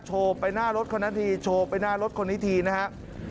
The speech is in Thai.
ไปหน้ารถคนนั้นทีโชว์ไปหน้ารถคนนี้ทีนะครับ